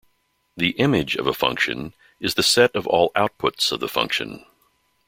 The image of a function is the set of all outputs of the function.